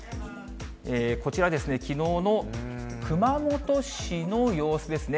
こちらですね、きのうの熊本市の様子ですね。